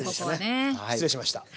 失礼しました。